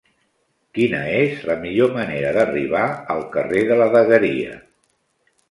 Quina és la millor manera d'arribar al carrer de la Dagueria?